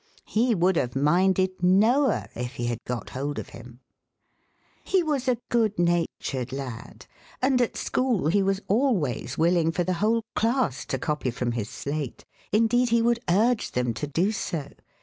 He would have "minded" Noah if he had got hold of him. He was a good natured lad, and at school he was always willing for the whole class to copy from his slate indeed he would urge them to do so.